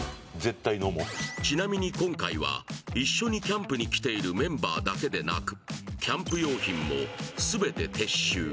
ちなみに、今回は一緒にキャンプに来ているメンバーだけでなく、キャンプ用品もすべて撤収。